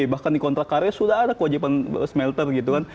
bahkan di kontrak karya sudah ada kewajiban smelter